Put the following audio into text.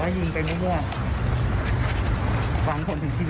เสียใจไหมพี่